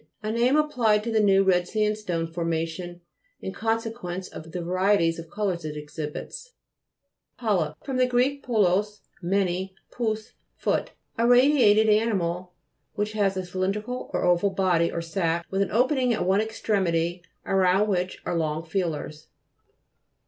A name applied to the new red sandstone formation in con sequence of the varieties of colours it exhibits. PO'LYP fr. gr. polus, many, pous, foot. A radiated animal which has a cylindrical or oval body, or sac, with an opening at one extremity, around which are long feelers.